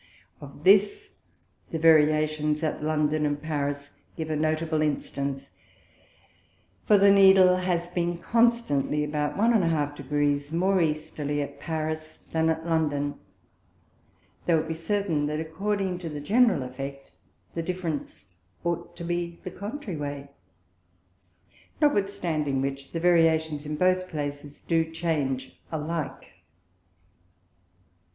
Of this the Variations at London and Paris give a notable Instance, for the Needle has been constantly about 1°½ more Easterly at Paris than at London; though it be certain that according to the general effect, the Difference ought to be the contrary way: Notwithstanding which, the Variations in both places do change alike.